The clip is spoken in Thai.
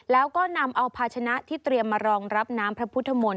แล้วก็นำเอาภาชนะที่เตรียมมารองรับน้ำพระพุทธมนตร์